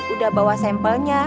udah bawa sampelnya